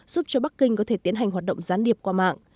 giúp cho bắc kinh có thể tiến hành hoạt động gián điệp qua mạng